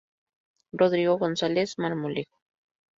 Rodrigo González Marmolejo.